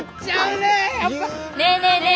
ねえねえねえ